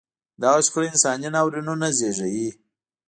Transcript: دغه شخړې انساني ناورینونه زېږوي.